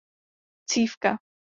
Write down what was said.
Cívka